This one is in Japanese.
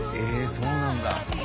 そうなんだ。